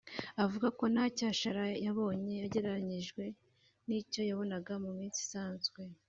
avuga ko nta cyashara yabonye agereranyije n’icyo yabonaga mu minsi isanzwe